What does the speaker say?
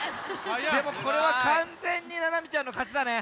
でもこれはかんぜんにななみちゃんのかちだね。